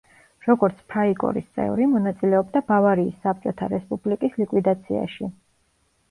როგორც ფრაიკორის წევრი, მონაწილეობდა ბავარიის საბჭოთა რესპუბლიკის ლიკვიდაციაში.